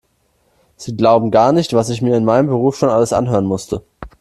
Sie glauben gar nicht, was ich mir in meinem Beruf schon alles anhören musste.